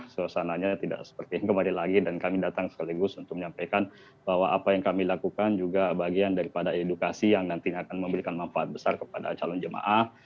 suasananya tidak seperti yang kemarin lagi dan kami datang sekaligus untuk menyampaikan bahwa apa yang kami lakukan juga bagian daripada edukasi yang nantinya akan memberikan manfaat besar kepada calon jemaah